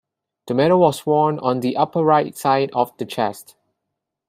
The medal was worn on the upper right side of the chest.